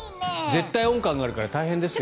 絶対音感があるから大変ですよ。